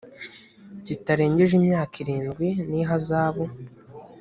kitarengeje imyaka irindwi n ihazabu